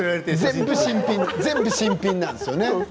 全部新品ですよね？